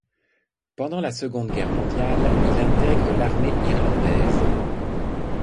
Pendant la Seconde Guerre mondiale, il intègre l'armée irlandaise.